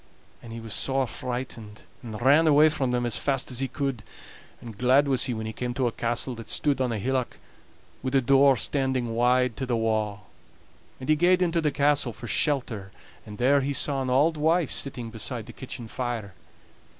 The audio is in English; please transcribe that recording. And he was sore frightened, and ran away from them as fast as he could; and glad was he when he came to a castle that stood on a hillock, wi' the door standing wide to the wa'. And he gaed into the castle for shelter, and there he saw an auld wife sitting beside the kitchen fire.